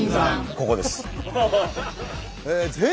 ここです。